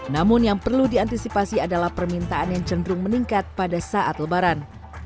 namun yang perlu diantisipasi adalah permintaan yang cenderung meningkat pada saat lebaran